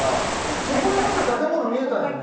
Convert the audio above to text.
そこになんか建物見えたよね。